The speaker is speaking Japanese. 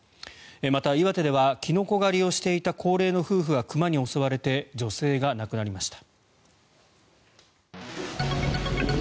また岩手ではキノコ狩りをしていた高齢の夫婦が熊に襲われて女性が亡くなりました。